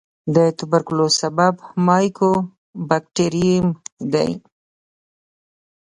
د توبرکلوس سبب مایکوبیکټریم دی.